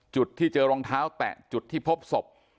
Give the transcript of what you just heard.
จุดที่เจอรองเท้าแตะจุดที่พบศพ